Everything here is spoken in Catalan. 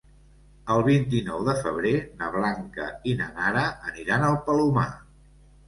El vint-i-nou de febrer na Blanca i na Nara aniran al Palomar.